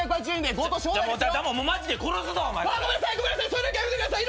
それだけはやめてください！